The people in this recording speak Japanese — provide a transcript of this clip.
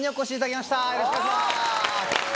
よろしくお願いします。